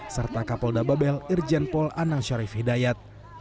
serta kapolda babel irjenpol anang syarif hidayat